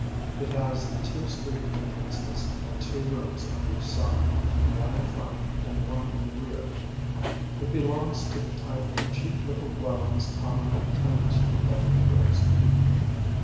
It has two street entrances and two rooms on each side, one in front and one in the rear. It belongs to the type of cheap little dwellings commonly tenanted by Negroes.